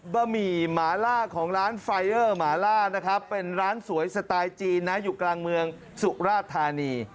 บะหมี่หมาล่าของร้านไฟเดอร์หมาล่านะครับเป็นร้านสวยสไตล์จีนนะอยู่กลางเมืองสุราธานี